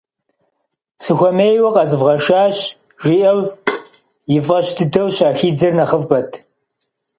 Сыхуэмейуэ къэзывгъэшащ! - жиӏэу, и фӏэщ дыдэу щахидзэр нэхъыбэт.